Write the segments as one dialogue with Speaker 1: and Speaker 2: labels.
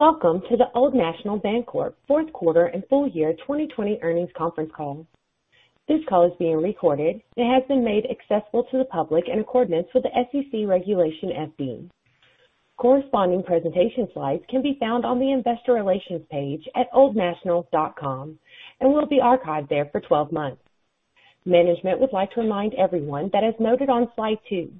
Speaker 1: Welcome to the Old National Bancorp fourth quarter and full year 2020 earnings conference call. This call is being recorded and has been made accessible to the public in accordance with the SEC Regulation FD. Corresponding presentation slides can be found on the Investor Relations page at oldnational.com and will be archived there for 12 months. Management would like to remind everyone that as noted on slide two,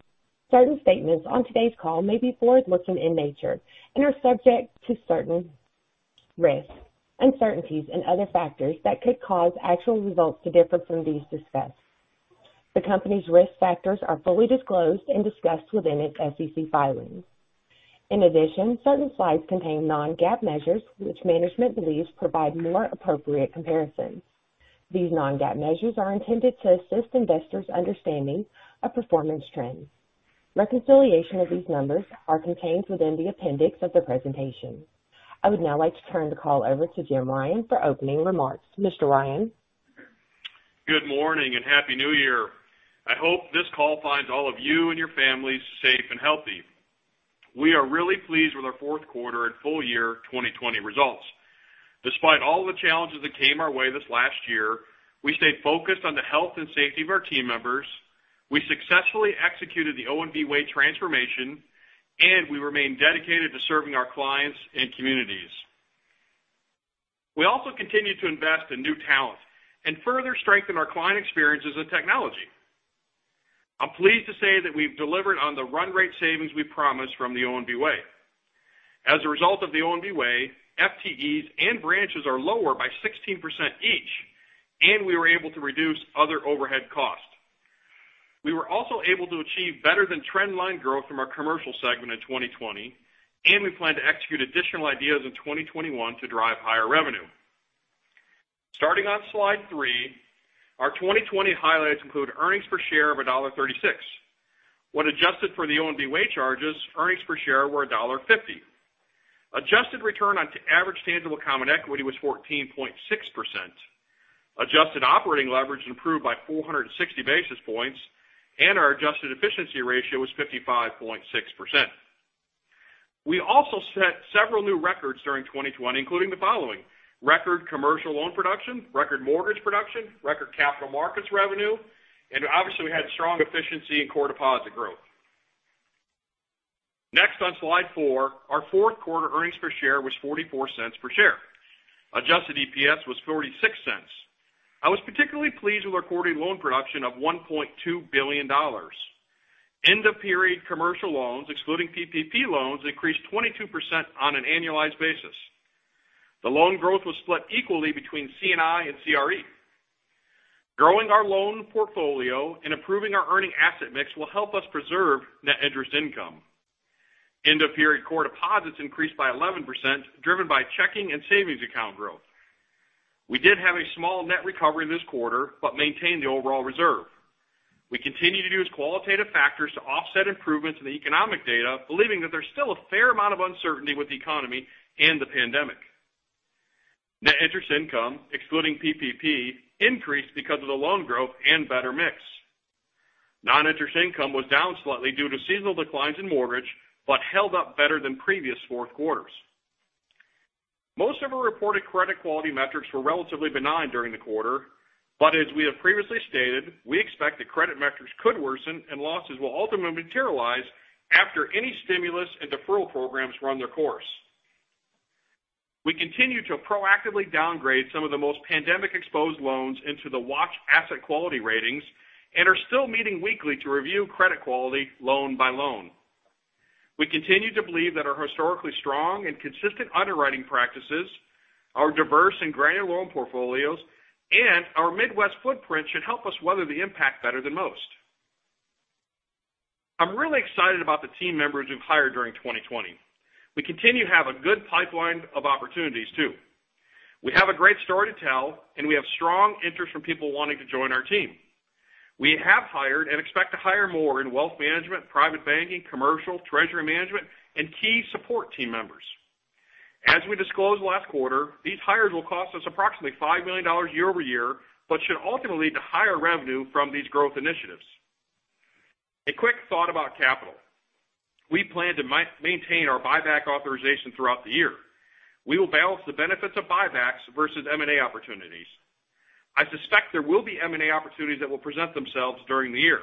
Speaker 1: certain statements on today's call may be forward-looking in nature and are subject to certain risks, uncertainties, and other factors that could cause actual results to differ from these discussed. The company's risk factors are fully disclosed and discussed within its SEC filings. In addition, certain slides contain non-GAAP measures which management believes provide more appropriate comparisons. These non-GAAP measures are intended to assist investors' understanding of performance trends. Reconciliation of these numbers are contained within the appendix of the presentation. I would now like to turn the call over to Jim Ryan for opening remarks. Mr. Ryan?
Speaker 2: Good morning and Happy New Year. I hope this call finds all of you and your families safe and healthy. We are really pleased with our fourth quarter and full year 2020 results. Despite all the challenges that came our way this last year, we stayed focused on the health and safety of our team members, we successfully executed The ONB Way transformation, and we remain dedicated to serving our clients and communities. We also continued to invest in new talent and further strengthen our client experiences with technology. I'm pleased to say that we've delivered on the run rate savings we promised from The ONB Way. As a result of The ONB Way, FTEs and branches are lower by 16% each, and we were able to reduce other overhead costs. We were also able to achieve better than trend line growth from our commercial segment in 2020, and we plan to execute additional ideas in 2021 to drive higher revenue. Starting on slide three, our 2020 highlights include earnings per share of $1.36. When adjusted for The ONB Way charges, earnings per share were $1.50. Adjusted return on average tangible common equity was 14.6%. Adjusted operating leverage improved by 460 basis points, and our adjusted efficiency ratio was 55.6%. We also set several new records during 2020, including the following: record commercial loan production, record mortgage production, record capital markets revenue, and obviously, we had strong efficiency in core deposit growth. Next, on slide four, our fourth quarter earnings per share was $0.44 per share. Adjusted EPS was $0.46. I was particularly pleased with our recorded loan production of $1.2 billion. End-of-period commercial loans, excluding PPP loans, increased 22% on an annualized basis. The loan growth was split equally between C&I and CRE. Growing our loan portfolio and improving our earning asset mix will help us preserve net interest income. End-of-period core deposits increased by 11%, driven by checking and savings account growth. We did have a small net recovery this quarter but maintained the overall reserve. We continue to use qualitative factors to offset improvements in the economic data, believing that there's still a fair amount of uncertainty with the economy and the pandemic. Net interest income, excluding PPP, increased because of the loan growth and better mix. Non-interest income was down slightly due to seasonal declines in mortgage but held up better than previous fourth quarters. Most of our reported credit quality metrics were relatively benign during the quarter, but as we have previously stated, we expect the credit metrics could worsen and losses will ultimately materialize after any stimulus and deferral programs run their course. We continue to proactively downgrade some of the most pandemic-exposed loans into the watch asset quality ratings and are still meeting weekly to review credit quality loan by loan. We continue to believe that our historically strong and consistent underwriting practices, our diverse and granular loan portfolios, and our Midwest footprint should help us weather the impact better than most. I'm really excited about the team members we've hired during 2020. We continue to have a good pipeline of opportunities, too. We have a great story to tell, and we have strong interest from people wanting to join our team. We have hired and expect to hire more in wealth management, private banking, commercial, treasury management, and key support team members. As we disclosed last quarter, these hires will cost us approximately $5 million year-over-year but should ultimately lead to higher revenue from these growth initiatives. A quick thought about capital. We plan to maintain our buyback authorization throughout the year. We will balance the benefits of buybacks versus M&A opportunities. I suspect there will be M&A opportunities that will present themselves during the year.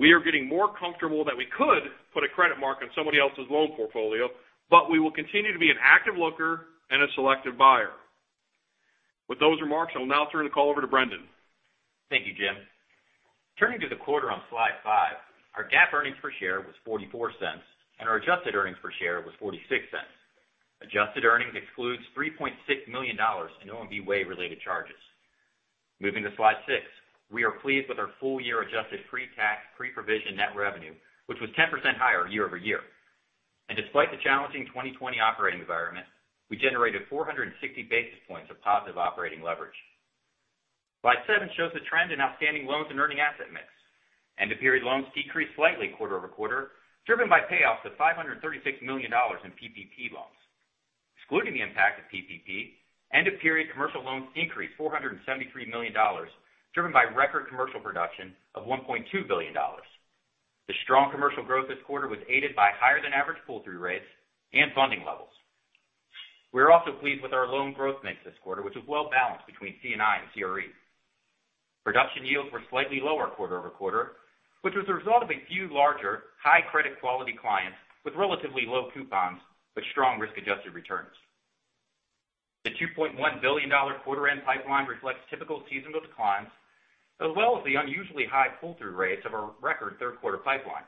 Speaker 2: We are getting more comfortable that we could put a credit mark on somebody else's loan portfolio, but we will continue to be an active looker and a selective buyer. With those remarks, I'll now turn the call over to Brendon.
Speaker 3: Thank you, Jim. Turning to the quarter on slide five, our GAAP earnings per share was $0.44, and our adjusted earnings per share was $0.46. Adjusted earnings excludes $3.6 million in ONB Way-related charges. Moving to slide six, we are pleased with our full-year adjusted pre-tax, pre-provision net revenue, which was 10% higher year-over-year. Despite the challenging 2020 operating environment, we generated 460 basis points of positive operating leverage. Slide seven shows the trend in outstanding loans and earning asset mix. End-of-period loans decreased slightly quarter-over-quarter, driven by payoffs of $536 million in PPP loans. Excluding the impact of PPP, end-of-period commercial loans increased $473 million, driven by record commercial production of $1.2 billion. The strong commercial growth this quarter was aided by higher than average pull-through rates and funding levels. We are also pleased with our loan growth mix this quarter, which was well-balanced between C&I and CRE. Production yields were slightly lower quarter-over-quarter, which was the result of a few larger high credit quality clients with relatively low coupons but strong risk-adjusted returns. The $2.1 billion quarter-end pipeline reflects typical seasonal declines, as well as the unusually high pull-through rates of our record third quarter pipeline.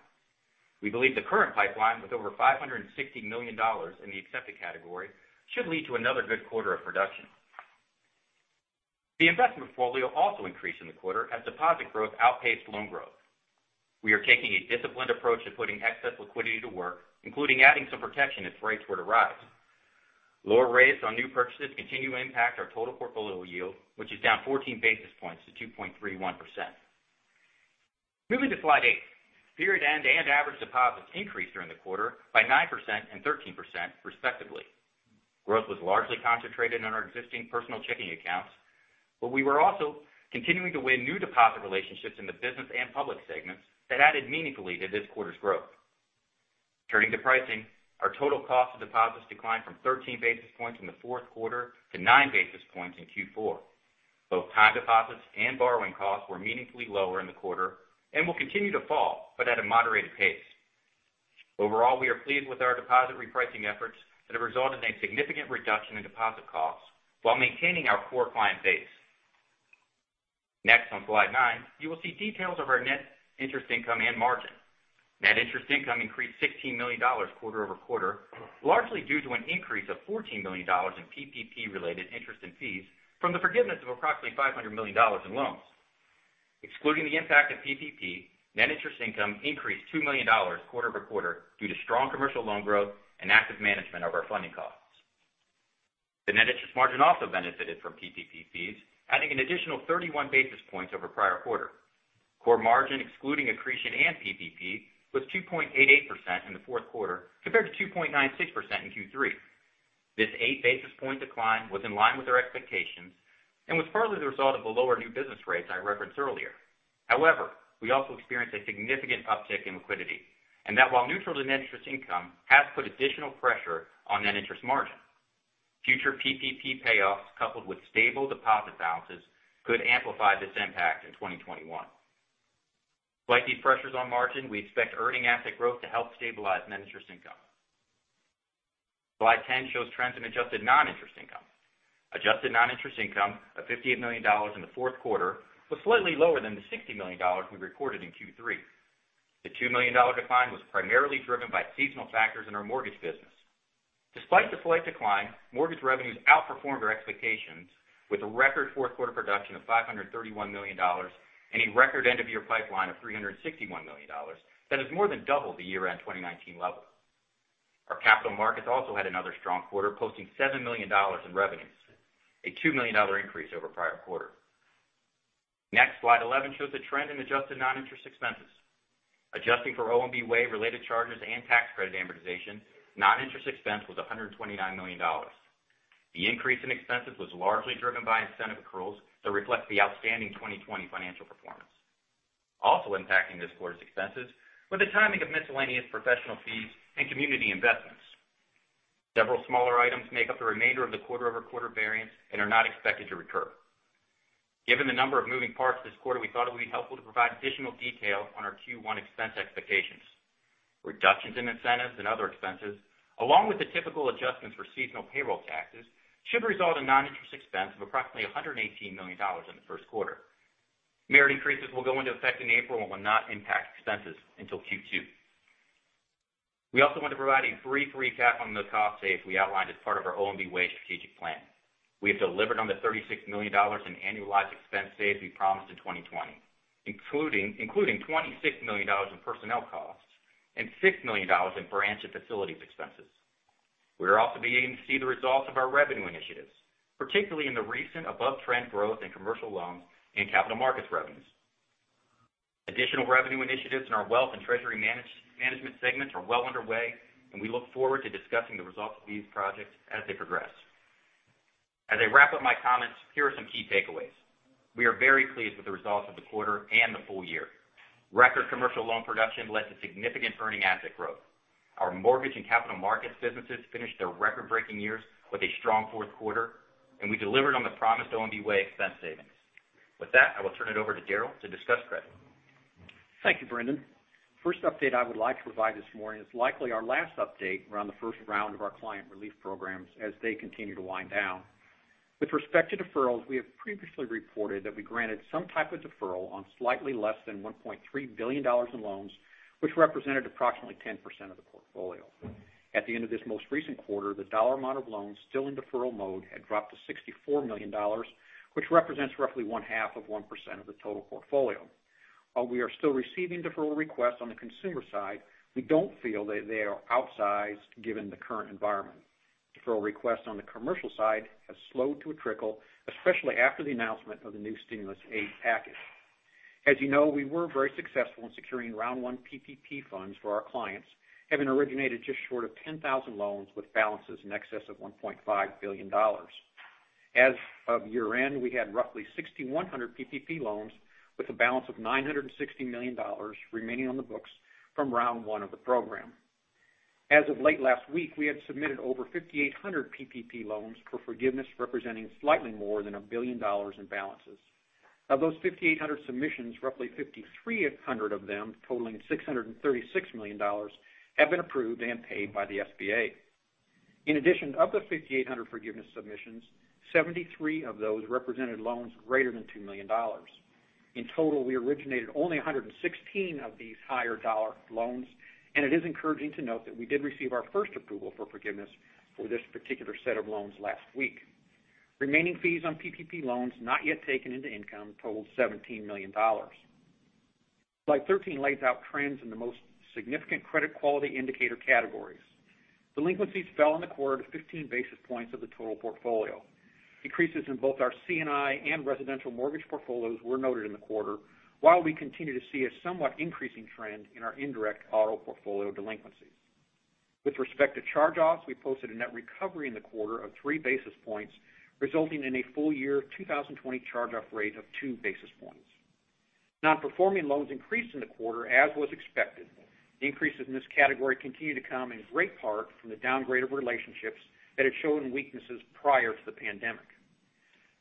Speaker 3: We believe the current pipeline, with over $560 million in the accepted category, should lead to another good quarter of production. The investment portfolio also increased in the quarter as deposit growth outpaced loan growth. We are taking a disciplined approach to putting excess liquidity to work, including adding some protection if rates were to rise. Lower rates on new purchases continue to impact our total portfolio yield, which is down 14 basis points to 2.31%. Moving to slide eight. Period end and average deposits increased during the quarter by 9% and 13%, respectively. Growth was largely concentrated on our existing personal checking accounts. We were also continuing to win new deposit relationships in the business and public segments that added meaningfully to this quarter's growth. Turning to pricing, our total cost of deposits declined from 13 basis points in the third quarter to 9 basis points in Q4. Both time deposits and borrowing costs were meaningfully lower in the quarter and will continue to fall, but at a moderated pace. Overall, we are pleased with our deposit repricing efforts that have resulted in a significant reduction in deposit costs while maintaining our core client base. Next, on slide nine, you will see details of our net interest income and margin. Net interest income increased $16 million quarter-over-quarter, largely due to an increase of $14 million in PPP related interest and fees from the forgiveness of approximately $500 million in loans. Excluding the impact of PPP, net interest income increased $2 million quarter-over-quarter due to strong commercial loan growth and active management of our funding costs. The net interest margin also benefited from PPP fees, adding an additional 31 basis points over prior quarter. Core margin excluding accretion and PPP was 2.88% in the fourth quarter compared to 2.96% in Q3. This 8 basis point decline was in line with our expectations and was partly the result of the lower new business rates I referenced earlier. We also experienced a significant uptick in liquidity, and that while neutral in net interest income, has put additional pressure on net interest margin. Future PPP payoffs coupled with stable deposit balances could amplify this impact in 2021. Despite these pressures on margin, we expect earning asset growth to help stabilize net interest income. Slide 10 shows trends in adjusted non-interest income. Adjusted non-interest income of $58 million in the fourth quarter was slightly lower than the $60 million we recorded in Q3. The $2 million decline was primarily driven by seasonal factors in our mortgage business. Despite the slight decline, mortgage revenues outperformed our expectations with a record fourth quarter production of $531 million and a record end-of-year pipeline of $361 million. That is more than double the year-end 2019 level. Our capital markets also had another strong quarter, posting $7 million in revenues, a $2 million increase over prior quarter. Next, slide 11 shows the trend in adjusted non-interest expenses. Adjusting for ONB Way-related charges and tax credit amortization, non-interest expense was $129 million. The increase in expenses was largely driven by incentive accruals that reflect the outstanding 2020 financial performance. Also impacting this quarter's expenses were the timing of miscellaneous professional fees and community investments. Several smaller items make up the remainder of the quarter-over-quarter variance and are not expected to recur. Given the number of moving parts this quarter, we thought it would be helpful to provide additional detail on our Q1 expense expectations. Reductions in incentives and other expenses, along with the typical adjustments for seasonal payroll taxes, should result in non-interest expense of approximately $118 million in the first quarter. Merit increases will go into effect in April and will not impact expenses until Q2. We also want to provide a brief recap on the cost saves we outlined as part of our The ONB Way strategic plan. We have delivered on the $36 million in annualized expense saves we promised in 2020, including $26 million in personnel costs and $6 million in branch and facilities expenses. We are also beginning to see the results of our revenue initiatives, particularly in the recent above-trend growth in commercial loans and capital markets revenues. Additional revenue initiatives in our wealth and treasury management segments are well underway, and we look forward to discussing the results of these projects as they progress. As I wrap up my comments, here are some key takeaways. We are very pleased with the results of the quarter and the full year. Record commercial loan production led to significant earning asset growth. Our mortgage and capital markets businesses finished their record-breaking years with a strong fourth quarter, and we delivered on the promised ONB Way expense savings. With that, I will turn it over to Daryl to discuss credit.
Speaker 4: Thank you, Brendon. First update I would like to provide this morning is likely our last update around the first round of our client relief programs as they continue to wind down. With respect to deferrals, we have previously reported that we granted some type of deferral on slightly less than $1.3 billion in loans, which represented approximately 10% of the portfolio. At the end of this most recent quarter, the dollar amount of loans still in deferral mode had dropped to $64 million, which represents roughly 1/2 of 1% of the total portfolio. While we are still receiving deferral requests on the consumer side, we don't feel that they are outsized given the current environment. Deferral requests on the commercial side have slowed to a trickle, especially after the announcement of the new stimulus aid package. As you know, we were very successful in securing Round One PPP funds for our clients, having originated just short of 10,000 loans with balances in excess of $1.5 billion. As of year end, we had roughly 6,100 PPP loans with a balance of $960 million remaining on the books from Round One of the program. As of late last week, we had submitted over 5,800 PPP loans for forgiveness, representing slightly more than $1 billion in balances. Of those 5,800 submissions, roughly 5,300 of them totaling $636 million, have been approved and paid by the SBA. In addition, of the 5,800 forgiveness submissions, 73 of those represented loans greater than $2 million. In total, we originated only 116 of these higher dollar loans, and it is encouraging to note that we did receive our first approval for forgiveness for this particular set of loans last week. Remaining fees on PPP loans not yet taken into income totaled $17 million. Slide 13 lays out trends in the most significant credit quality indicator categories. Delinquencies fell in the quarter to 15 basis points of the total portfolio. Decreases in both our C&I and residential mortgage portfolios were noted in the quarter, while we continue to see a somewhat increasing trend in our indirect auto portfolio delinquencies. With respect to charge-offs, we posted a net recovery in the quarter of 3 basis points, resulting in a full year 2020 charge-off rate of 2 basis points. Non-performing loans increased in the quarter as was expected. The increases in this category continue to come in great part from the downgrade of relationships that had shown weaknesses prior to the pandemic.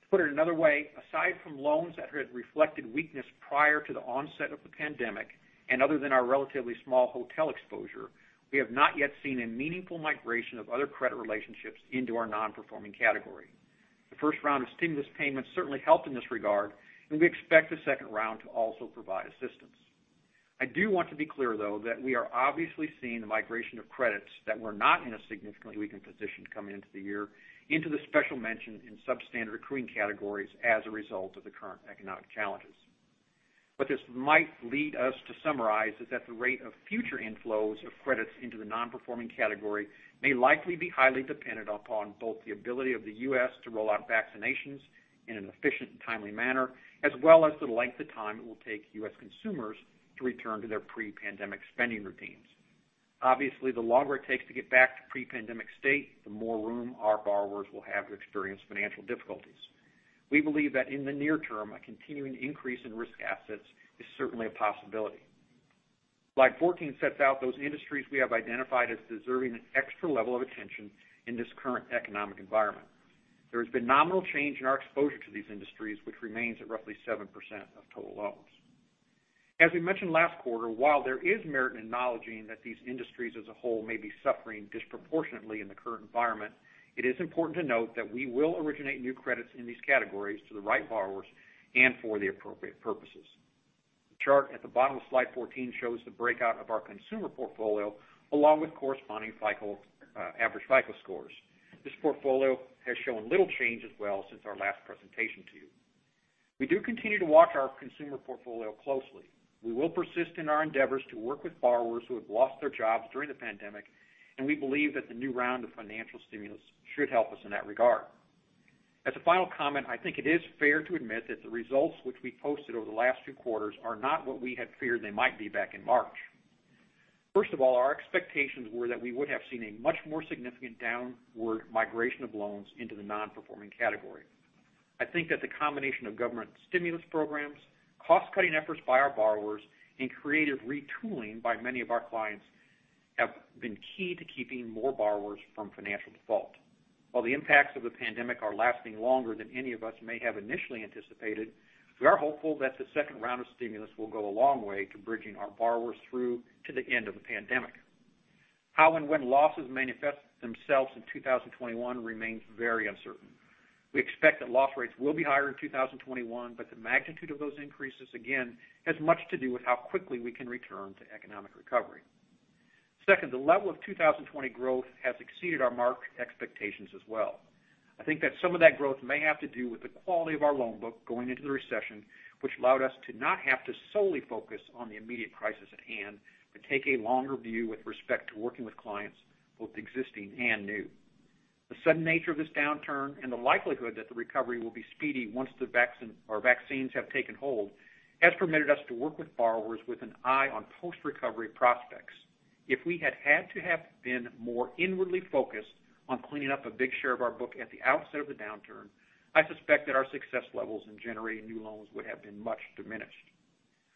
Speaker 4: To put it another way, aside from loans that had reflected weakness prior to the onset of the pandemic, and other than our relatively small hotel exposure, we have not yet seen a meaningful migration of other credit relationships into our non-performing category. The first round of stimulus payments certainly helped in this regard. We expect the second round to also provide assistance. I do want to be clear though, that we are obviously seeing the migration of credits that were not in a significantly weakened position coming into the year into the special mention in substandard accruing categories as a result of the current economic challenges. What this might lead us to summarize is that the rate of future inflows of credits into the non-performing category may likely be highly dependent upon both the ability of the U.S. to roll out vaccinations in an efficient and timely manner, as well as the length of time it will take U.S. consumers to return to their pre-pandemic spending routines. Obviously, the longer it takes to get back to pre-pandemic state, the more room our borrowers will have to experience financial difficulties. We believe that in the near term, a continuing increase in risk assets is certainly a possibility. Slide 14 sets out those industries we have identified as deserving an extra level of attention in this current economic environment. There has been nominal change in our exposure to these industries, which remains at roughly 7% of total loans. As we mentioned last quarter, while there is merit in acknowledging that these industries as a whole may be suffering disproportionately in the current environment, it is important to note that we will originate new credits in these categories to the right borrowers and for the appropriate purposes. The chart at the bottom of slide 14 shows the breakout of our consumer portfolio along with corresponding average FICO scores. This portfolio has shown little change as well since our last presentation to you. We do continue to watch our consumer portfolio closely. We will persist in our endeavors to work with borrowers who have lost their jobs during the pandemic, and we believe that the new round of financial stimulus should help us in that regard. As a final comment, I think it is fair to admit that the results which we posted over the last two quarters are not what we had feared they might be back in March. First of all, our expectations were that we would have seen a much more significant downward migration of loans into the non-performing category. I think that the combination of government stimulus programs, cost-cutting efforts by our borrowers, and creative retooling by many of our clients have been key to keeping more borrowers from financial default. While the impacts of the pandemic are lasting longer than any of us may have initially anticipated, we are hopeful that the second round of stimulus will go a long way to bridging our borrowers through to the end of the pandemic. How and when losses manifest themselves in 2021 remains very uncertain. We expect that loss rates will be higher in 2021, but the magnitude of those increases, again, has much to do with how quickly we can return to economic recovery. Second, the level of 2020 growth has exceeded our marked expectations as well. I think that some of that growth may have to do with the quality of our loan book going into the recession, which allowed us to not have to solely focus on the immediate crisis at hand, but take a longer view with respect to working with clients, both existing and new. The sudden nature of this downturn and the likelihood that the recovery will be speedy once the vaccines have taken hold, has permitted us to work with borrowers with an eye on post-recovery prospects. If we had had to have been more inwardly focused on cleaning up a big share of our book at the outset of the downturn, I suspect that our success levels in generating new loans would have been much diminished.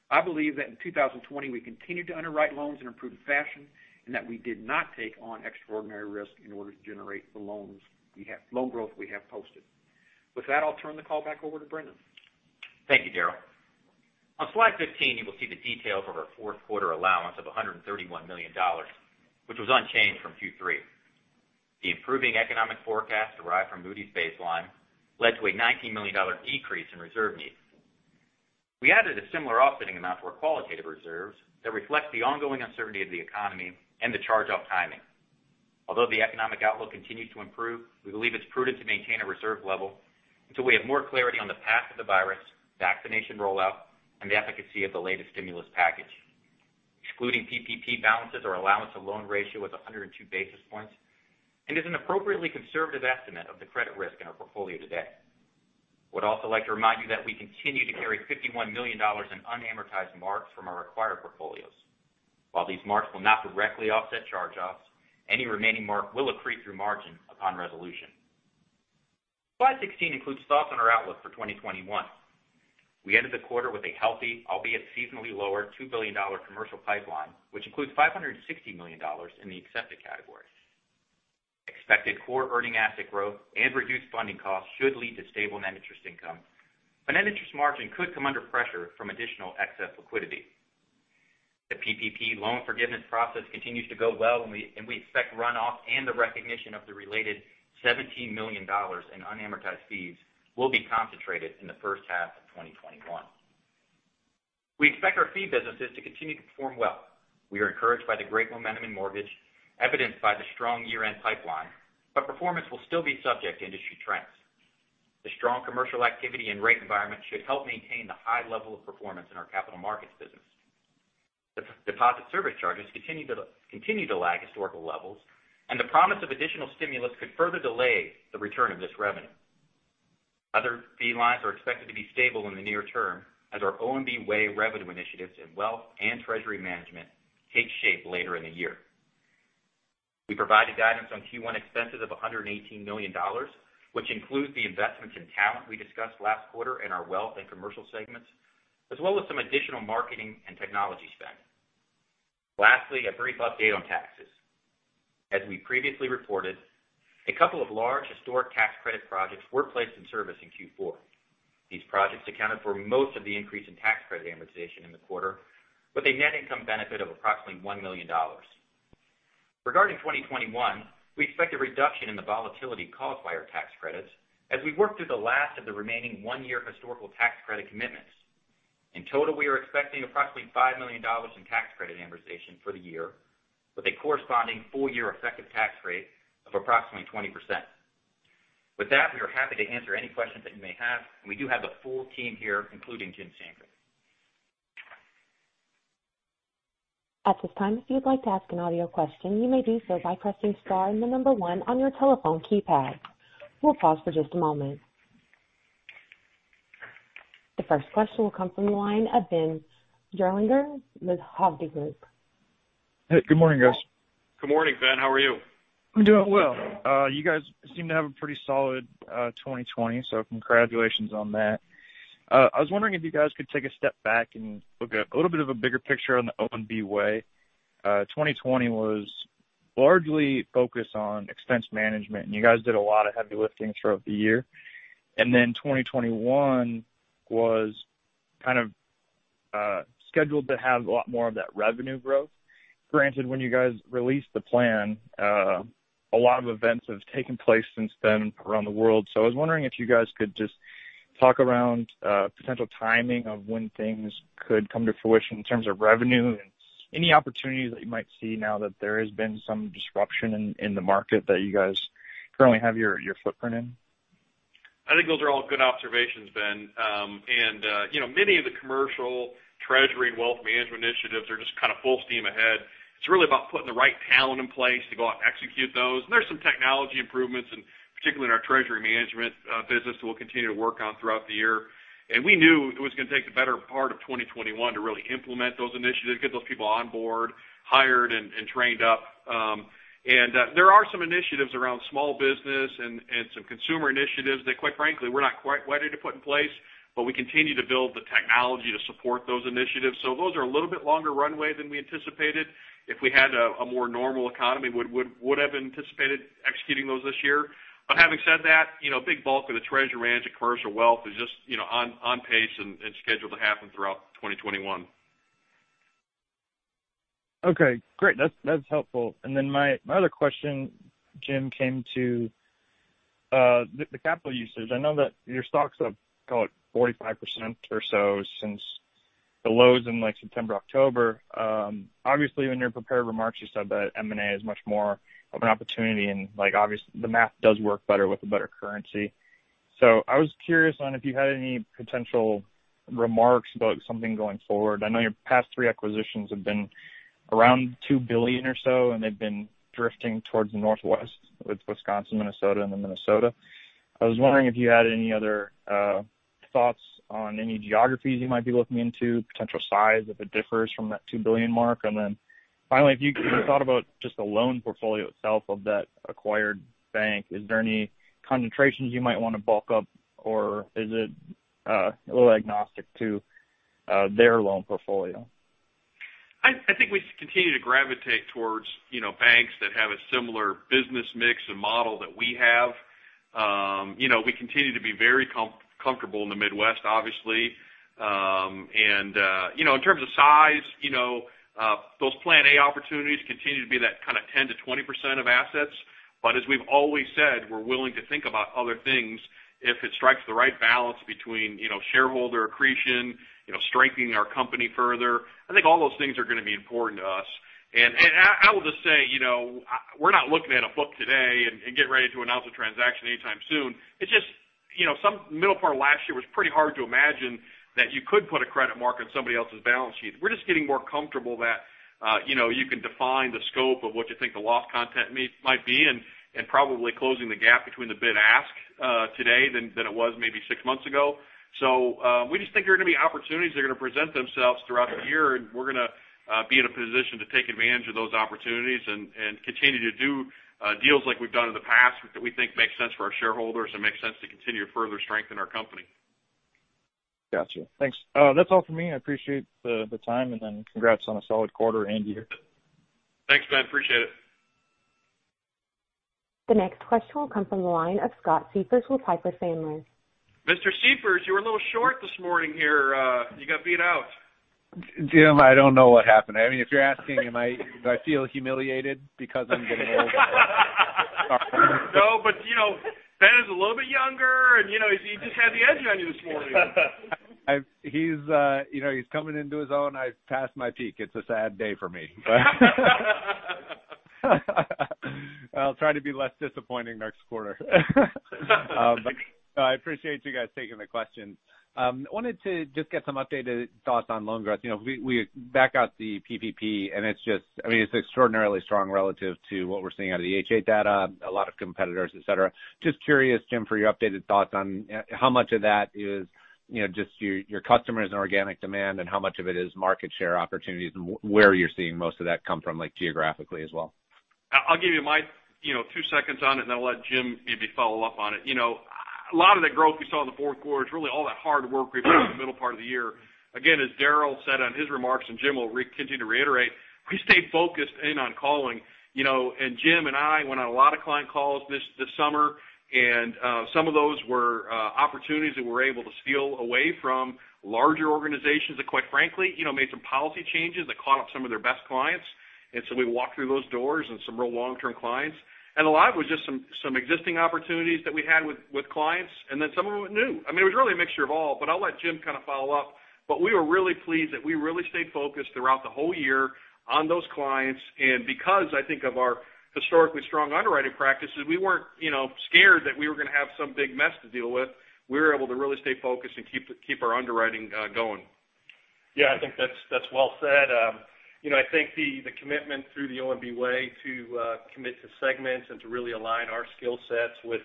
Speaker 4: I believe that in 2020, we continued to underwrite loans in a prudent fashion, and that we did not take on extraordinary risk in order to generate the loan growth we have posted. With that, I'll turn the call back over to Brendon.
Speaker 3: Thank you, Daryl. On slide 15, you will see the details of our fourth quarter allowance of $131 million, which was unchanged from Q3. The improving economic forecast derived from Moody's baseline led to a $19 million decrease in reserve needs. We added a similar offsetting amount to our qualitative reserves that reflects the ongoing uncertainty of the economy and the charge-off timing. Although the economic outlook continues to improve, we believe it's prudent to maintain a reserve level until we have more clarity on the path of the virus, vaccination rollout, and the efficacy of the latest stimulus package. Excluding PPP balances, our allowance to loan ratio was 102 basis points, and is an appropriately conservative estimate of the credit risk in our portfolio today. We would also like to remind you that we continue to carry $51 million in unamortized marks from our acquired portfolios. While these marks will not directly offset charge-offs, any remaining mark will accrete through margin upon resolution. Slide 16 includes thoughts on our outlook for 2021. We ended the quarter with a healthy, albeit seasonally lower, $2 billion commercial pipeline, which includes $560 million in the accepted category. Expected core earning asset growth and reduced funding costs should lead to stable net interest income, but net interest margin could come under pressure from additional excess liquidity. The PPP loan forgiveness process continues to go well, and we expect runoff and the recognition of the related $17 million in unamortized fees will be concentrated in the first half of 2021. We expect our fee businesses to continue to perform well. We are encouraged by the great momentum in mortgage evidenced by the strong year-end pipeline, but performance will still be subject to industry trends. The strong commercial activity and rate environment should help maintain the high level of performance in our capital markets business. The deposit service charges continue to lag historical levels, and the promise of additional stimulus could further delay the return of this revenue. Other fee lines are expected to be stable in the near term as our ONB Way revenue initiatives in wealth and treasury management take shape later in the year. We provided guidance on Q1 expenses of $118 million, which includes the investments in talent we discussed last quarter in our wealth and commercial segments, as well as some additional marketing and technology spend. Lastly, a brief update on taxes. As we previously reported, a couple of large historic tax credit projects were placed in service in Q4. These projects accounted for most of the increase in tax credit amortization in the quarter, with a net income benefit of approximately $1 million. Regarding 2021, we expect a reduction in the volatility caused by our tax credits as we work through the last of the remaining one-year historical tax credit commitments. In total, we are expecting approximately $5 million in tax credit amortization for the year, with a corresponding full-year effective tax rate of approximately 20%. With that, we are happy to answer any questions that you may have. We do have the full team here, including Jim Sandgren.
Speaker 1: At this time, if you'd like to ask a question, you may do so by pressing star and the number one on your telephone keypad. We'll pause for just a moment. The first question will come from the line of Ben Gerlinger with Hovde Group.
Speaker 5: Hey, good morning, guys.
Speaker 2: Good morning, Ben. How are you?
Speaker 5: I'm doing well. You guys seem to have a pretty solid 2020, so congratulations on that. I was wondering if you guys could take a step back and look at a little bit of a bigger picture on The ONB Way. 2020 was largely focused on expense management. You guys did a lot of heavy lifting throughout the year. 2021 was kind of scheduled to have a lot more of that revenue growth. Granted, when you guys released the plan, a lot of events have taken place since then around the world. I was wondering if you guys could just talk around potential timing of when things could come to fruition in terms of revenue and any opportunities that you might see now that there has been some disruption in the market that you guys currently have your footprint in.
Speaker 2: I think those are all good observations, Ben. Many of the commercial treasury and wealth management initiatives are just kind of full steam ahead. It's really about putting the right talent in place to go out and execute those. There's some technology improvements, and particularly in our treasury management business, that we'll continue to work on throughout the year. We knew it was going to take the better part of 2021 to really implement those initiatives, get those people on board, hired, and trained up. There are some initiatives around small business and some consumer initiatives that quite frankly, we're not quite ready to put in place, but we continue to build the technology to support those initiatives. Those are a little bit longer runway than we anticipated. If we had a more normal economy, we would have anticipated executing those this year. Having said that, a big bulk of the treasury management commercial wealth is just on pace and scheduled to happen throughout 2021.
Speaker 5: Okay, great. That's helpful. Then my other question, Jim, came to the capital usage. I know that your stock's up, call it 45% or so since the lows in September, October. Obviously, in your prepared remarks, you said that M&A is much more of an opportunity and the math does work better with a better currency. I was curious on if you had any potential remarks about something going forward. I know your past three acquisitions have been around $2 billion or so, and they've been drifting towards the Northwest with Wisconsin, Minnesota. I was wondering if you had any other thoughts on any geographies you might be looking into, potential size, if it differs from that $2 billion mark. Finally, if you thought about just the loan portfolio itself of that acquired bank, is there any concentrations you might want to bulk up, or is it a little agnostic to their loan portfolio?
Speaker 2: I think we continue to gravitate towards banks that have a similar business mix and model that we have. We continue to be very comfortable in the Midwest, obviously. In terms of size, those plan A opportunities continue to be that kind of 10%-20% of assets. As we've always said, we're willing to think about other things if it strikes the right balance between shareholder accretion, strengthening our company further. I think all those things are going to be important to us. I will just say, we're not looking at a book today and getting ready to announce a transaction anytime soon. It's just some middle part of last year was pretty hard to imagine that you could put a credit mark on somebody else's balance sheet. We're just getting more comfortable that you can define the scope of what you think the loss content might be and probably closing the gap between the bid-ask today than it was maybe six months ago. We just think there are going to be opportunities that are going to present themselves throughout the year, and we're going to be in a position to take advantage of those opportunities and continue to do deals like we've done in the past, that we think make sense for our shareholders and make sense to continue to further strengthen our company.
Speaker 5: Got you. Thanks. That's all for me. I appreciate the time, and then congrats on a solid quarter and year.
Speaker 2: Thanks, Ben. Appreciate it.
Speaker 1: The next question will come from the line of Scott Siefers with Piper Sandler.
Speaker 2: Mr. Siefers, you were a little short this morning here. You got beat out.
Speaker 6: Jim, I don't know what happened. If you're asking, do I feel humiliated because I'm getting old?
Speaker 2: No, but Ben is a little bit younger, and he just had the edge on you this morning.
Speaker 6: He's coming into his own. I've passed my peak. It's a sad day for me. I'll try to be less disappointing next quarter. I appreciate you guys taking the questions. I wanted to just get some updated thoughts on loan growth. We back out the PPP, and it's extraordinarily strong relative to what we're seeing out of the H.8 data, a lot of competitors, et cetera. Just curious, Jim, for your updated thoughts on how much of that is just your customers and organic demand, and how much of it is market share opportunities, and where you're seeing most of that come from, geographically as well.
Speaker 2: I'll give you my two seconds on it, then I'll let Jim maybe follow up on it. A lot of the growth we saw in the fourth quarter is really all that hard work we put in the middle part of the year. Again, as Daryl said on his remarks, and Jim will continue to reiterate, we stayed focused in on calling. Jim and I went on a lot of client calls this summer. Some of those were opportunities that we're able to steal away from larger organizations that, quite frankly, made some policy changes that caught out some of their best clients. So we walked through those doors and some real long-term clients. A lot of it was just some existing opportunities that we had with clients. Then some of them were new. It was really a mixture of all, but I'll let Jim kind of follow up. We were really pleased that we really stayed focused throughout the whole year on those clients. Because I think of our historically strong underwriting practices, we weren't scared that we were going to have some big mess to deal with. We were able to really stay focused and keep our underwriting going.
Speaker 7: I think that's well said. I think the commitment through The ONB Way to commit to segments and to really align our skill sets with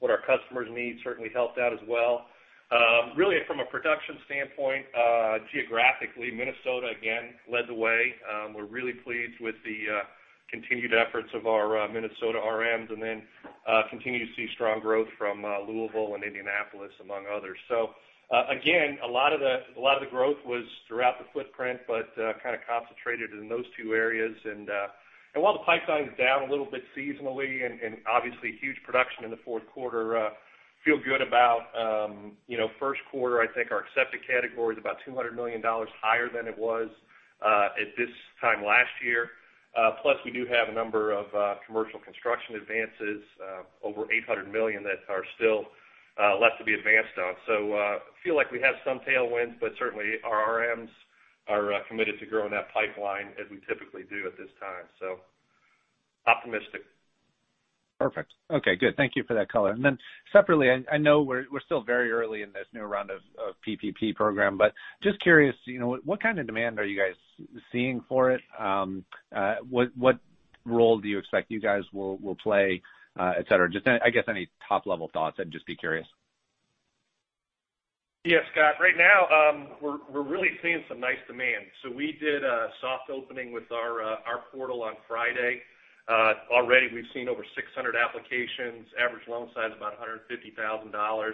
Speaker 7: what our customers need certainly helped out as well. Really from a production standpoint, geographically, Minnesota again led the way. We're really pleased with the continued efforts of our Minnesota RMs, and then continue to see strong growth from Louisville and Indianapolis, among others. Again, a lot of the growth was throughout the footprint, but kind of concentrated in those two areas. While the pipeline is down a little bit seasonally and obviously huge production in the fourth quarter, feel good about first quarter. I think our accepted category is about $200 million higher than it was at this time last year. We do have a number of commercial construction advances, over $800 million that are still left to be advanced on. Feel like we have some tailwinds, but certainly our RMs are committed to growing that pipeline as we typically do at this time. Optimistic.
Speaker 6: Perfect. Okay, good. Thank you for that color. Separately, I know we're still very early in this new round of PPP program, but just curious, what kind of demand are you guys seeing for it? What role do you expect you guys will play, et cetera? Just, I guess, any top-level thoughts, I'd just be curious.
Speaker 2: Scott, right now, we're really seeing some nice demand. We did a soft opening with our portal on Friday. Already we've seen over 600 applications. Average loan size is about $150,000.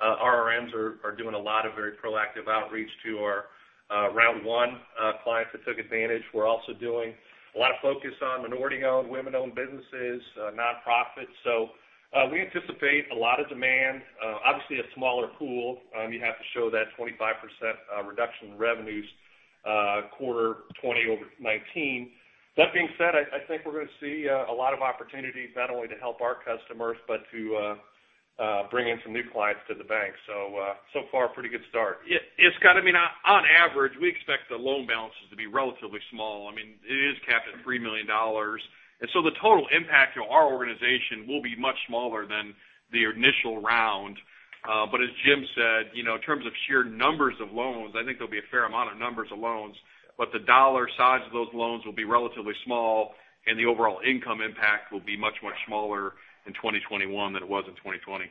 Speaker 2: Our RMs are doing a lot of very proactive outreach to our Round One clients that took advantage. We're also doing a lot of focus on minority-owned, women-owned businesses, nonprofits. We anticipate a lot of demand. Obviously a smaller pool. You have to show that 25% reduction in revenues quarter 2020 over 2019. That being said, I think we're going to see a lot of opportunities not only to help our customers but to bring in some new clients to the bank. So far pretty good start.
Speaker 3: Scott, on average, we expect the loan balances to be relatively small. It is capped at $3 million. The total impact to our organization will be much smaller than the initial round. As Jim said, in terms of sheer numbers of loans, I think there'll be a fair amount of numbers of loans, but the dollar size of those loans will be relatively small, and the overall income impact will be much, much smaller in 2021 than it was in 2020.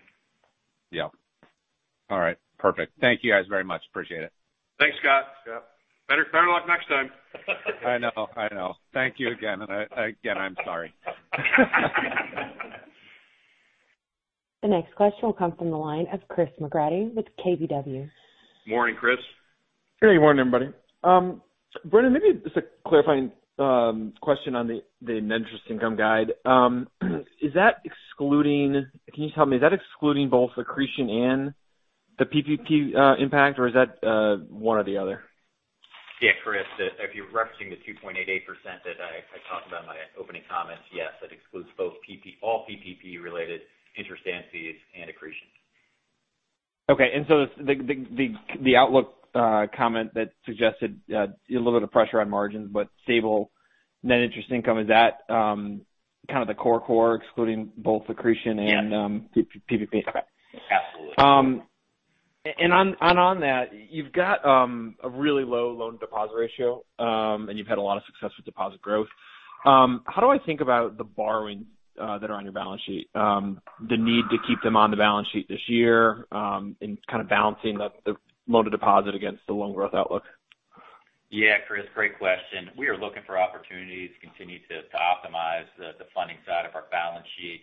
Speaker 6: All right. Perfect. Thank you guys very much. Appreciate it.
Speaker 2: Thanks, Scott. Better luck next time.
Speaker 6: I know. Thank you again. Again, I'm sorry.
Speaker 1: The next question will come from the line of Chris McGratty with KBW.
Speaker 2: Morning, Chris.
Speaker 8: Good morning, everybody. Brendon, maybe just a clarifying question on the net interest income guide. Can you tell me, is that excluding both accretion and the PPP impact, or is that one or the other?
Speaker 3: Chris, if you're referencing the 2.88% that I talked about in my opening comments, yes, that excludes all PPP-related interest and fees and accretion.
Speaker 8: Okay. The outlook comment that suggested a little bit of pressure on margins, but stable net interest income, is that kind of the core excluding both accretion and PPP?
Speaker 3: Absolutely.
Speaker 8: On that, you've got a really low loan-to-deposit ratio, and you've had a lot of success with deposit growth. How do I think about the borrowing that are on your balance sheet, the need to keep them on the balance sheet this year, and balancing the loan-to-deposit against the loan growth outlook?
Speaker 3: Chris, great question. We are looking for opportunities to continue to optimize the funding side of our balance sheet.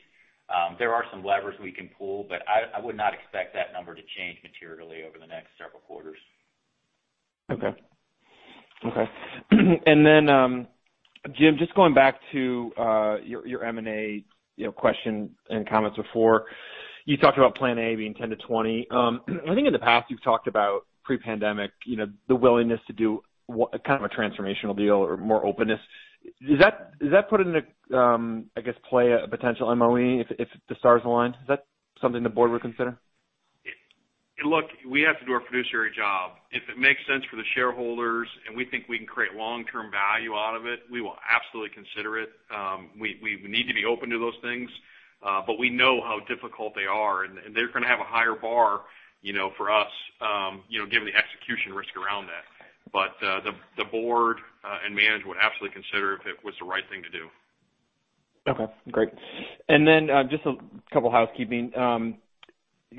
Speaker 3: There are some levers we can pull, but I would not expect that number to change materially over the next several quarters.
Speaker 8: Okay. Jim, just going back to your M&A question and comments before. You talked about plan A being 10%-20%. I think in the past, you've talked about pre-pandemic, the willingness to do a transformational deal or more openness. Does that put into play a potential MOE if the stars align? Is that something the board would consider?
Speaker 2: Look, we have to do our fiduciary job. If it makes sense for the shareholders and we think we can create long-term value out of it, we will absolutely consider it. We need to be open to those things. We know how difficult they are, and they're going to have a higher bar for us given the execution risk around that. The board and management would absolutely consider it if it was the right thing to do.
Speaker 8: Okay, great. Just a couple housekeeping.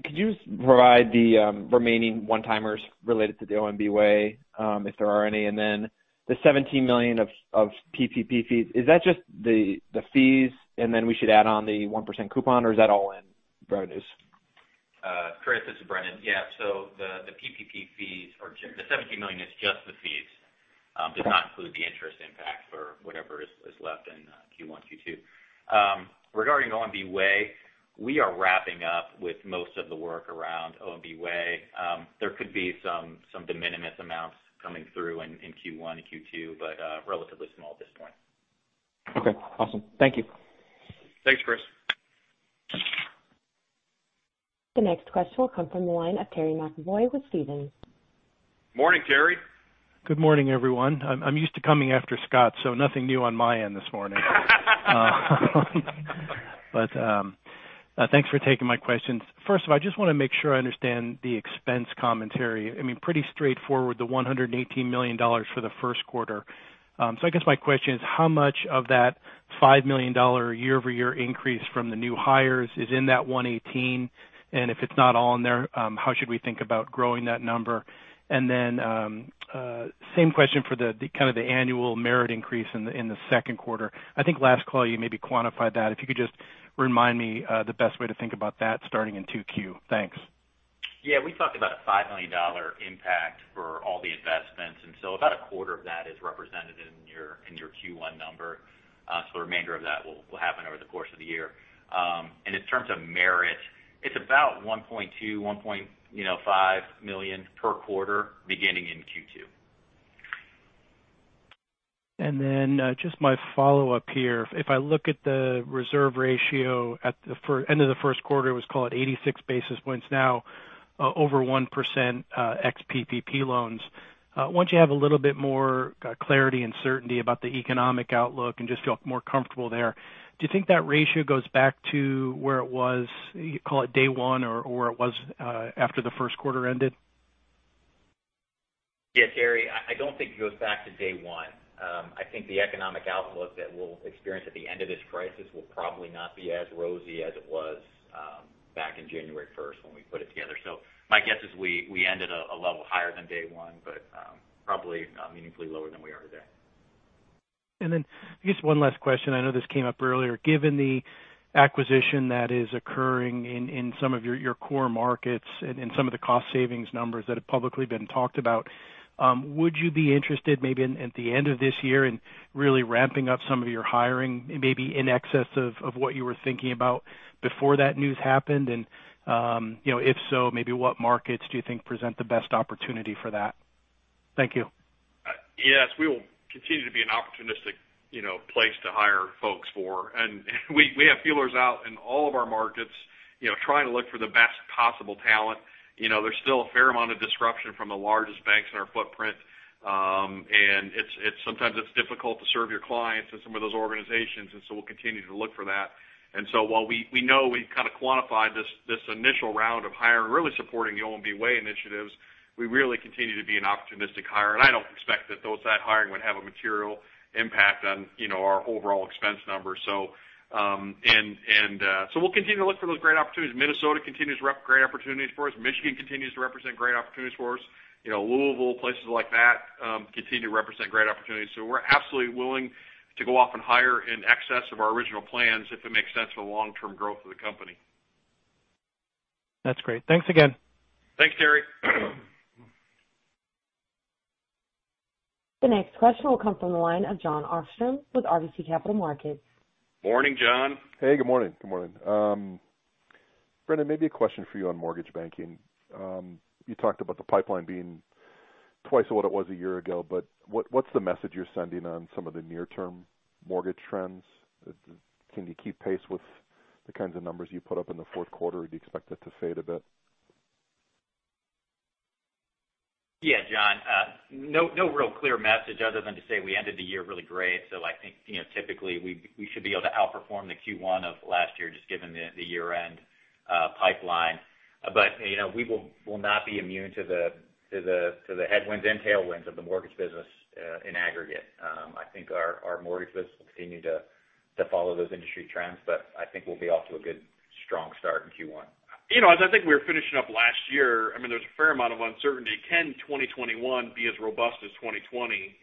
Speaker 8: Could you just provide the remaining one-timers related to The ONB Way, if there are any? The $17 million of PPP fees, is that just the fees and then we should add on the 1% coupon or is that all in revenues?
Speaker 3: Chris, this is Brendon. The PPP fees or the $17 million is just the fees. It does not include the interest impact for whatever is left in Q1, Q2. Regarding ONB Way, we are wrapping up with most of the work around ONB Way. There could be some de minimis amounts coming through in Q1 and Q2, but relatively small at this point.
Speaker 8: Okay, awesome. Thank you.
Speaker 2: Thanks, Chris.
Speaker 1: The next question will come from the line of Terry McEvoy with Stephens.
Speaker 2: Morning, Terry.
Speaker 9: Good morning, everyone. I'm used to coming after Scott, nothing new on my end this morning. Thanks for taking my questions. First of all, I just want to make sure I understand the expense commentary. Pretty straightforward, the $118 million for the first quarter. I guess my question is, how much of that $5 million year-over-year increase from the new hires is in that $118 million? If it's not all in there, how should we think about growing that number? Same question for the annual merit increase in the second quarter. I think last call you maybe quantified that. If you could just remind me the best way to think about that starting in 2Q. Thanks.
Speaker 3: We talked about a $5 million impact for all the investments, and so about 1/4 of that is represented in your Q1 number. The remainder of that will happen over the course of the year. In terms of merit, it's about $1.2 million-$1.5 million per quarter beginning in Q2.
Speaker 9: Just my follow-up here. If I look at the reserve ratio at the end of the first quarter, it was, call it, 86 basis points now over 1% ex-PPP loans. Once you have a little bit more clarity and certainty about the economic outlook and just feel more comfortable there, do you think that ratio goes back to where it was, call it day one or where it was after the first quarter ended?
Speaker 3: Terry, I don't think it goes back to day one. I think the economic outlook that we'll experience at the end of this crisis will probably not be as rosy as it was back in January 1st when we put it together. My guess is we end at a level higher than day one, but probably meaningfully lower than we are today.
Speaker 9: Then just one last question. I know this came up earlier. Given the acquisition that is occurring in some of your core markets and some of the cost savings numbers that have publicly been talked about, would you be interested maybe at the end of this year in really ramping up some of your hiring, maybe in excess of what you were thinking about before that news happened? If so, maybe what markets do you think present the best opportunity for that? Thank you.
Speaker 2: Yes, we will continue to be an opportunistic place to hire folks for. We have feelers out in all of our markets trying to look for the best possible talent. There's still a fair amount of disruption from the largest banks in our footprint. Sometimes it's difficult to serve your clients in some of those organizations, we'll continue to look for that. While we know we've quantified this initial round of hiring really supporting The ONB Way initiatives, we really continue to be an opportunistic hire. I don't expect that that hiring would have a material impact on our overall expense numbers. We'll continue to look for those great opportunities. Minnesota continues to represent great opportunities for us. Michigan continues to represent great opportunities for us. Louisville, places like that continue to represent great opportunities. We're absolutely willing to go off and hire in excess of our original plans if it makes sense for the long-term growth of the company.
Speaker 9: That's great. Thanks again.
Speaker 2: Thanks, Terry.
Speaker 1: The next question will come from the line of Jon Arfstrom with RBC Capital Markets.
Speaker 2: Morning, Jon.
Speaker 10: Hey, good morning. Brendon, maybe a question for you on mortgage banking. You talked about the pipeline being twice of what it was a year ago, what's the message you're sending on some of the near-term mortgage trends? Can you keep pace with the kinds of numbers you put up in the fourth quarter? Do you expect it to fade a bit?
Speaker 3: Jon, no real clear message other than to say we ended the year really great. I think, typically, we should be able to outperform the Q1 of last year, just given the year-end pipeline. We will not be immune to the headwinds and tailwinds of the mortgage business in aggregate. I think our mortgage business will continue to follow those industry trends, but I think we'll be off to a good strong start in Q1.
Speaker 2: As I think we were finishing up last year, there's a fair amount of uncertainty. Can 2021 be as robust as 2020?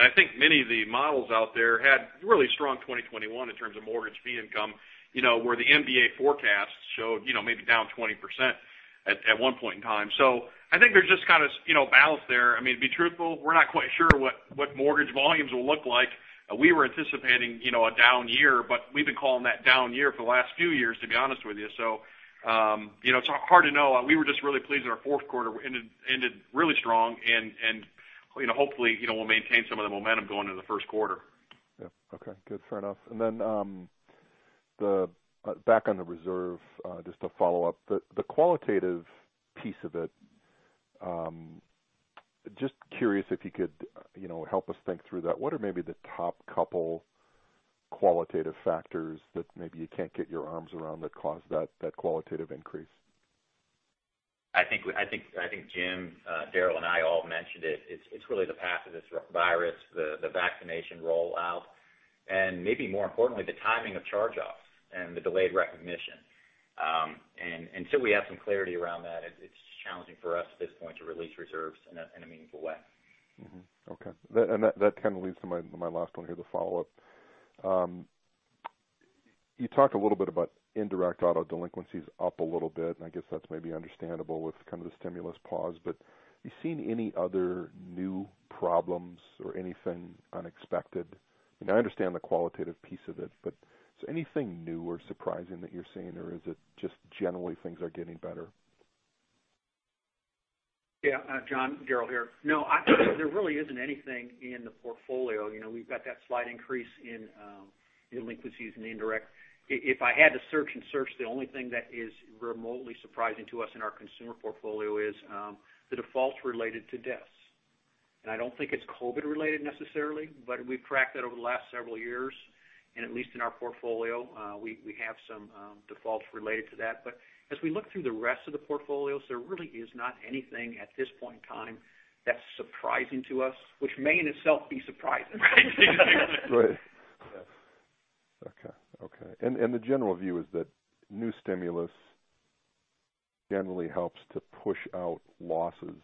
Speaker 2: I think many of the models out there had really strong 2021 in terms of mortgage fee income, where the MBA forecasts showed maybe down 20% at one point in time. I think there's just kind of balance there. To be truthful, we're not quite sure what mortgage volumes will look like. We were anticipating a down year, but we've been calling that down year for the last few years, to be honest with you. It's hard to know. We were just really pleased that our fourth quarter ended really strong and hopefully, we'll maintain some of the momentum going into the first quarter.
Speaker 10: Okay, good. Fair enough. Then back on the reserve, just to follow up. The qualitative piece of it, just curious if you could help us think through that. What are maybe the top couple qualitative factors that maybe you can't get your arms around that caused that qualitative increase?
Speaker 3: I think Jim, Daryl, and I all mentioned it. It's really the path of this virus, the vaccination rollout, and maybe more importantly, the timing of charge-offs and the delayed recognition. Until we have some clarity around that, it's challenging for us at this point to release reserves in a meaningful way.
Speaker 10: Okay. That kind of leads to my last one here, the follow-up. You talked a little bit about indirect auto delinquencies up a little bit, and I guess that's maybe understandable with kind of the stimulus pause. Have you seen any other new problems or anything unexpected? I understand the qualitative piece of it, but is there anything new or surprising that you're seeing, or is it just generally things are getting better?
Speaker 4: Jon, Daryl here. No, there really isn't anything in the portfolio. We've got that slight increase in delinquencies in the indirect. If I had to search and search, the only thing that is remotely surprising to us in our consumer portfolio is the defaults related to deaths. I don't think it's COVID-related necessarily, but we've tracked that over the last several years, and at least in our portfolio, we have some defaults related to that. As we look through the rest of the portfolios, there really is not anything at this point in time that's surprising to us, which may in itself be surprising.
Speaker 10: Right. Okay. The general view is that new stimulus generally helps to push out losses.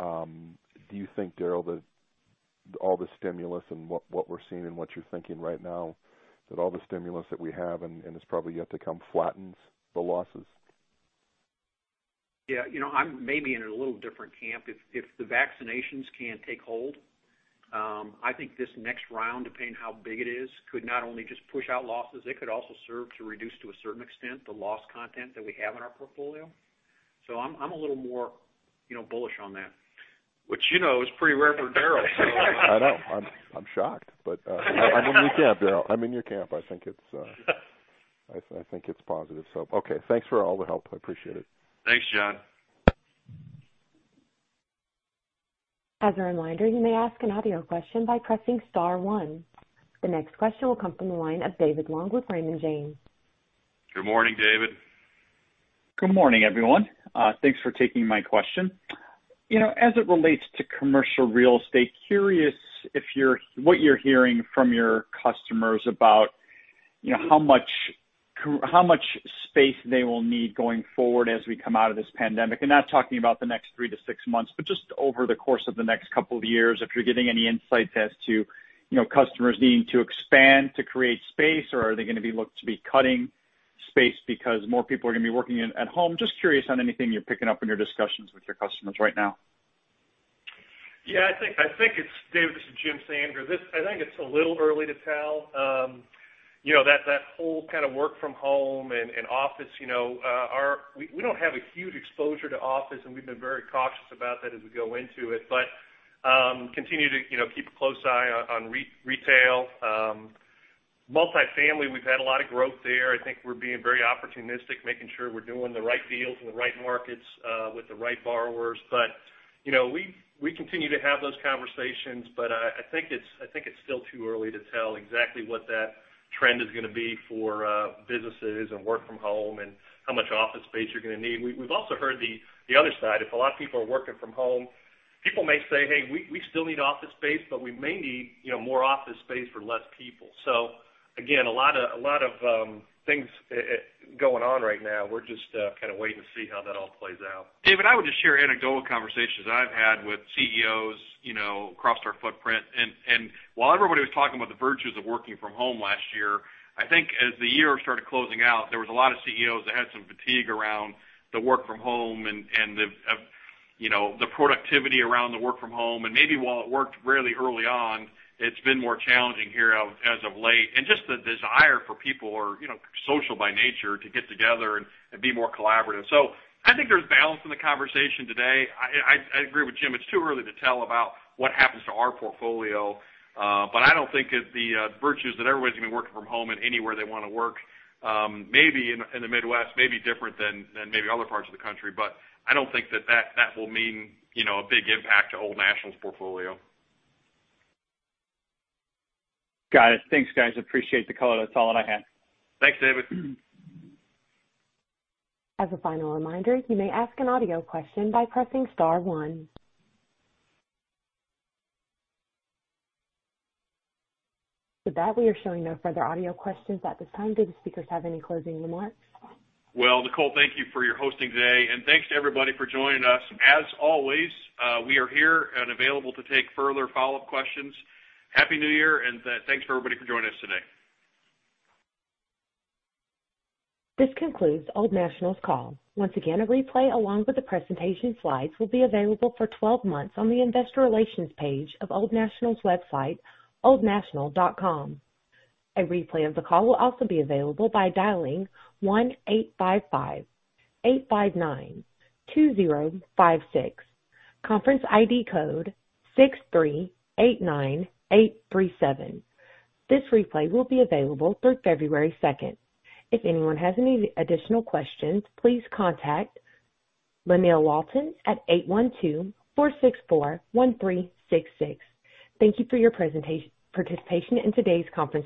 Speaker 10: Do you think, Daryl, that all the stimulus and what we're seeing and what you're thinking right now, that all the stimulus that we have and is probably yet to come flattens the losses?
Speaker 4: I'm maybe in a little different camp. If the vaccinations can take hold, I think this next round, depending how big it is, could not only just push out losses, it could also serve to reduce, to a certain extent, the loss content that we have in our portfolio. I'm a little more bullish on that. Which you know is pretty rare for Daryl.
Speaker 10: I know. I'm shocked. I'm in your camp, Daryl. I'm in your camp. I think it's positive. Okay. Thanks for all the help. I appreciate it.
Speaker 2: Thanks, Jon.
Speaker 1: As a reminder, you may ask an audio question by pressing star one. The next question will come from the line of David Long with Raymond James.
Speaker 2: Good morning, David.
Speaker 11: Good morning, everyone. Thanks for taking my question. As it relates to commercial real estate, curious what you're hearing from your customers about how much space they will need going forward as we come out of this pandemic. I'm not talking about the next three to six months, but just over the course of the next couple of years, if you're getting any insights as to customers needing to expand to create space, or are they going to be looked to be cutting space because more people are going to be working at home. Just curious on anything you're picking up in your discussions with your customers right now.
Speaker 7: David, this is Jim Sandgren. I think it's a little early to tell. That whole kind of work from home and office, we don't have a huge exposure to office, and we've been very cautious about that as we go into it. Continue to keep a close eye on retail. Multifamily, we've had a lot of growth there. I think we're being very opportunistic, making sure we're doing the right deals in the right markets with the right borrowers. We continue to have those conversations. I think it's still too early to tell exactly what that trend is going to be for businesses and work from home and how much office space you're going to need. We've also heard the other side. If a lot of people are working from home, people may say, hey, we still need office space, but we may need more office space for less people. Again, a lot of things going on right now. We're just kind of waiting to see how that all plays out.
Speaker 2: David, I would just share anecdotal conversations I've had with CEOs across our footprint. While everybody was talking about the virtues of working from home last year, I think as the year started closing out, there was a lot of CEOs that had some fatigue around the work from home and the productivity around the work from home. Maybe while it worked really early on, it's been more challenging here as of late. Just the desire for people who are social by nature to get together and be more collaborative. I think there's balance in the conversation today. I agree with Jim. It's too early to tell about what happens to our portfolio. I don't think that the virtues that everybody's going to be working from home and anywhere they want to work, maybe in the Midwest, may be different than maybe other parts of the country. I don't think that that will mean a big impact to Old National's portfolio.
Speaker 11: Got it. Thanks, guys. Appreciate the color. That's all that I had.
Speaker 2: Thanks, David.
Speaker 1: As a final reminder, you may ask an audio question by pressing star one. With that, we are showing no further audio questions at this time. Do the speakers have any closing remarks?
Speaker 2: Well, Nicole, thank you for your hosting today, and thanks to everybody for joining us. As always, we are here and available to take further follow-up questions. Happy New Year, and thanks for everybody for joining us today.
Speaker 1: This concludes Old National's call. Once again, a replay along with the presentation slides will be available for 12 months on the Investor Relations page of Old National's website, oldnational.com. A replay of the call will also be available by dialing 1-855-859-2056. Conference ID code 6389837. This replay will be available through February 2nd. If anyone has any additional questions, please contact Lynell Walton at 812-464-1366. Thank you for your participation in today's conference.